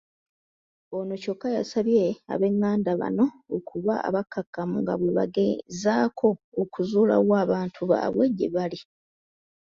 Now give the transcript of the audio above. Ono kyokka yasabye abenganda bano okuba abakkakkamu nga bwe bagezaako okuzuula wa abantu baabwe gye bali.